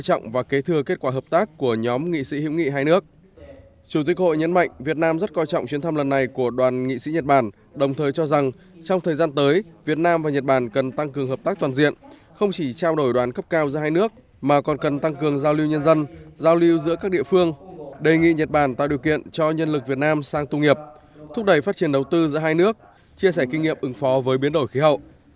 chủ tịch quốc hội nhấn mạnh việt nam rất quan trọng chuyến thăm lần này của đoàn nghị sĩ nhật bản đồng thời cho rằng trong thời gian tới việt nam và nhật bản cần tăng cường hợp tác toàn diện không chỉ trao đổi đoàn cấp cao giữa hai nước mà còn cần tăng cường giao lưu nhân dân giao lưu giữa các địa phương đề nghị nhật bản tạo điều kiện cho nhân lực việt nam sang tu nghiệp thúc đẩy phát triển đầu tư giữa hai nước chia sẻ kinh nghiệm ứng phó với biến đổi khí hậu